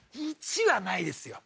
１はないですよ